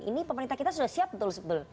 ini pemerintah kita sudah siap betul betul